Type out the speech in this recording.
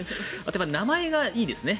名前がいいですね